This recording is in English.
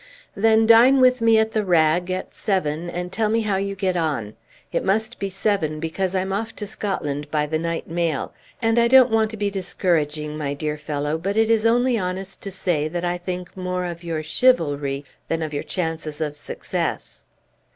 "Then dine with me at the Rag at seven, and tell me how you get on. It must be seven, because I'm off to Scotland by the night mail. And I don't want to be discouraging, my dear fellow, but it is only honest to say that I think more of your chivalry than of your chances of success!"